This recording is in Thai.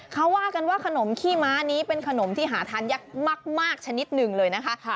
เขาว่ากันว่าขนมขี้ม้านี้เป็นขนมที่หาทานยักษ์มากชนิดหนึ่งเลยนะคะ